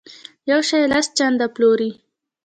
یو شی لس چنده پلوري.